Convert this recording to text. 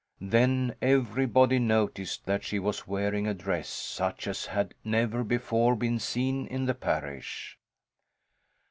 Then everybody noticed that she was wearing a dress such as had never before been seen in the parish.